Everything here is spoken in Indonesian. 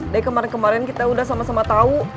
dari kemarin kemarin kita udah sama sama tahu